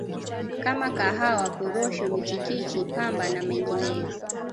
kama Kahawa Korosho michikichi Pamba na mengineyo